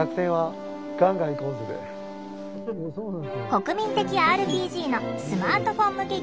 国民的ＲＰＧのスマートフォン向け